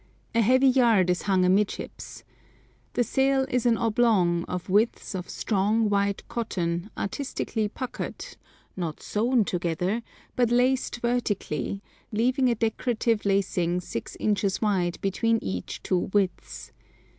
A heavy yard is hung amidships. The sail is an oblong of widths of strong, white cotton artistically "puckered," not sewn together, but laced vertically, leaving a decorative lacing six inches wide between each two widths.